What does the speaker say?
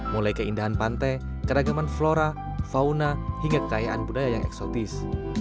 mulai keindahan pantai keragaman flora fauna hingga kekayaan budaya yang eksotis